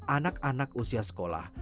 anak anak usia sekolah